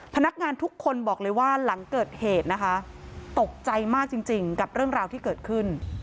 พนักงานทุกคนบอกเลยว่าหลังเกิดเหตุนะคะตกใจมากจริงกับเรื่องราวที่เกิดขึ้น